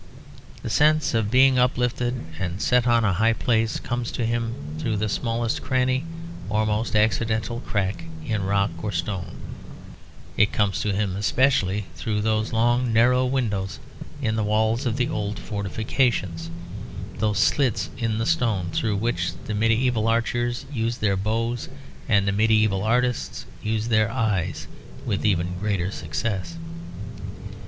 The sense of being uplifted, and set on a high place, comes to him through the smallest cranny, or most accidental crack in rock or stone; it comes to him especially through those long narrow windows in the walls of the old fortifications; those slits in the stone through which the medieval archers used their bows and the medieval artists used their eyes, with even greater success.